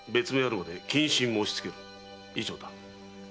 以上だ。